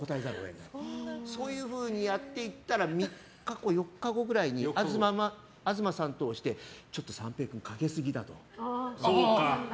そういうふうにやっていったら３日、４日後ぐらいに東さんを通してちょっと三平君、かけすぎだと。